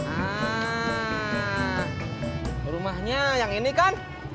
ah rumahnya yang ini kan